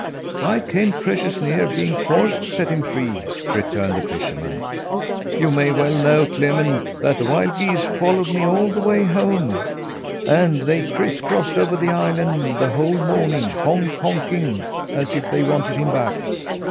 "I came precious near being forced to set him free," returned the fisherman. "You may as well know, Clement, that the wild geese followed me all the way home, and they criss crossed over the island the whole morning, honk honking as if they wanted him back.